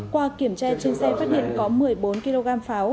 qua kiểm tra trên xe phát hiện có một mươi bốn kg pháo